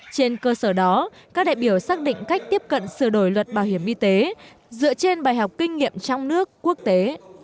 trên cơ sở đó các đại biểu xác định cách tiếp cận sửa đổi luật bảo hiểm y tế dựa trên bài học kinh nghiệm trong nước quốc tế